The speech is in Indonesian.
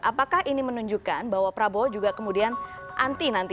apakah ini menunjukkan bahwa prabowo juga kemudian anti nanti